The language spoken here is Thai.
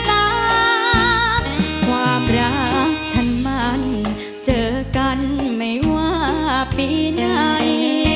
รักความรักฉันมันเจอกันไม่ว่าปีไหน